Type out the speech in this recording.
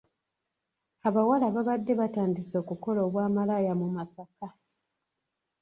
Abawala babadde batandise okukola obwamalaaya mu Masaka.